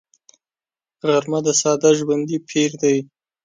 غرمه د ساده ژوندي پېر دی